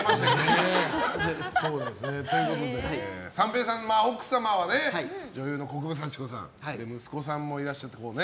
三平さん、奥様は女優の国分佐智子さんで息子さんもいらっしゃって。